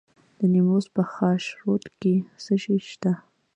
د نیمروز په خاشرود کې څه شی شته؟